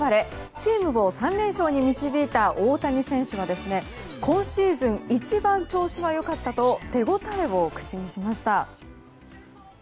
チームを３連勝に導いた大谷選手が今シーズン一番調子は良かったと手応えを口にしました。